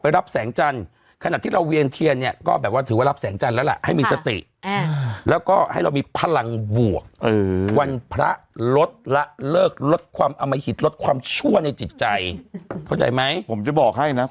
ภาพประโยชน์เรื่องใหม่ตายแล้วบอร์ดคอเว็น